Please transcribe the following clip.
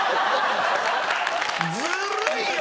ずるいよね？